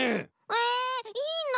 えいいな！